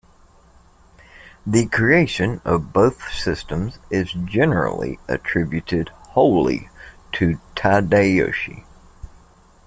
The creation of both systems is generally attributed wholly to Tadayoshi.